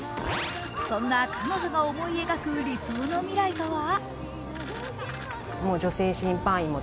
そんな彼女が思い描く理想の未来とは？